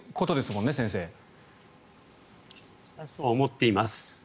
そう思っています。